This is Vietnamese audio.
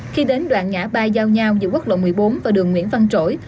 khi đến đoạn ngã ba giao nhau giữa quốc lộ một mươi bốn và đường nguyễn văn trỗi